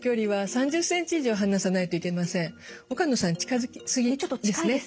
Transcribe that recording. はい。